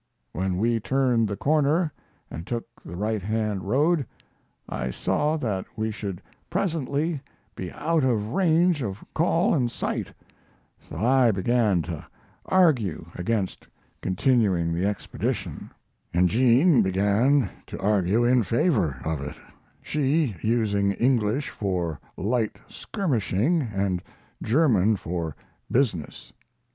When we turned the corner and took the right hand road, I saw that we should presently be out of range of call and sight; so I began to argue against continuing the expedition, and Jean began to argue in favor of it, she using English for light skirmishing and German for "business."